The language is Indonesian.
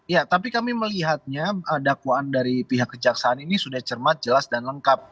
ya tapi kami melihatnya dakwaan dari pihak kejaksaan ini sudah cermat jelas dan lengkap